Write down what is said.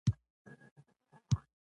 دوی د ډوډۍ خوړلو په برخه کې خپل تشریفات لرل.